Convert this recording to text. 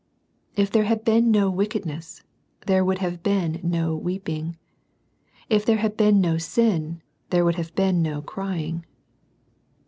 If there had been no wickedness, there would have been no weeping. If there had been no sin, there would have been no " crying."